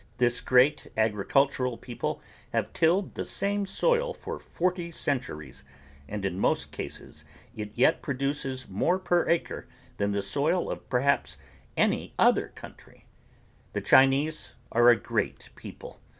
This great agricultural people have tilled the same soil for forty centuries and in most cases it yet produces more per acre than the soil of perhaps any other country. The Chinese are a great people.